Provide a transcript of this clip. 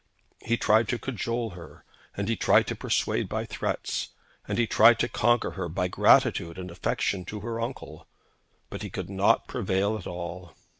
He tried to cajole her, and he tried to persuade by threats, and he tried to conquer her by gratitude and affection towards her uncle. But he could not prevail at all.